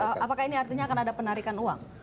apakah ini artinya akan ada penarikan uang